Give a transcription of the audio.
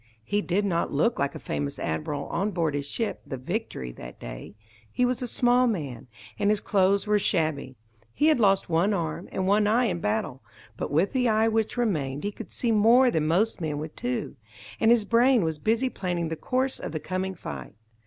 He did not look like a famous admiral on board his ship, the Victory, that day. He was a small man, and his clothes were shabby. He had lost one arm and one eye in battle; but with the eye which remained he could see more than most men with two, and his brain was busy planning the course of the coming fight.